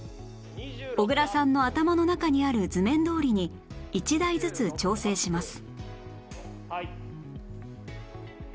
小倉さんの頭の中にある図面どおりに１台ずつ調整します